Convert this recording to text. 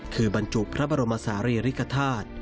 คือบรรจุพระบรมศาลีริกฐาตุ